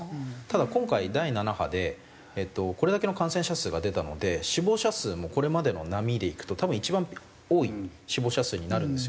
ただ今回第７波でこれだけの感染者数が出たので死亡者数もこれまでの波でいくと多分一番多い死亡者数になるんですよ。